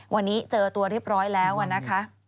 วันนี้เจอตัวเรียบร้อยแล้วนะคะ